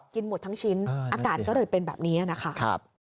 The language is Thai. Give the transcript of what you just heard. หมดทั้งชิ้นอาการก็เลยเป็นแบบนี้นะคะ